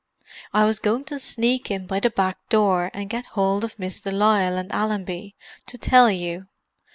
"I was going to sneak in by the back door, and get hold of Miss de Lisle and Allenby, to tell you.